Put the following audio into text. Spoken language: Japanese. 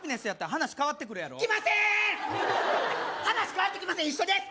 話変わってきません一緒です